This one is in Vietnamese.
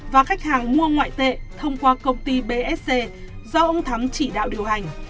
và khách hàng mua ngoại tệ thông qua công ty bsc do ông thắm chỉ đạo điều hành